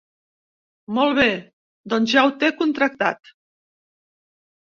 Molt bé, doncs ja ho té contractat.